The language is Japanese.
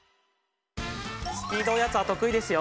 スピードおやつは得意ですよ！